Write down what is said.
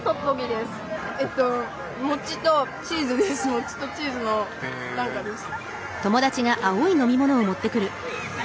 もちとチーズの何かです。